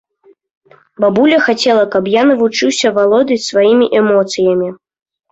Бабуля хацела, каб я навучыўся валодаць сваімі эмоцыямі.